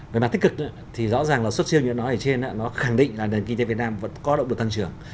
và tích cực thì rõ ràng là xuất siêu như nói ở trên nó khẳng định là nền kinh tế việt nam vẫn có động đồ tăng trưởng